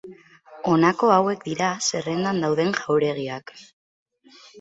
Honako hauek dira zerrendan dauden jauregiak.